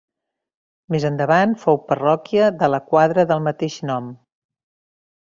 Més endavant fou parròquia de la quadra del mateix nom.